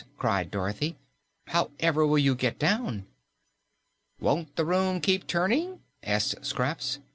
cried Dorothy. "How ever will you get down?" "Won't the room keep turning?" asked Scraps.